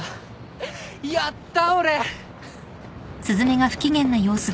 やった俺！